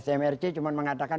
smrc cuma mengatakan